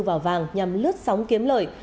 vào vàng nhằm lướt sóng kiếm lợi